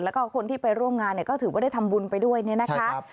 แล้วก็คนที่ไปร่วมงานก็ถือว่าได้ทำบุญไปด้วยเนี่ยนะคะ